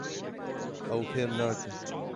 Ew fêm nakin.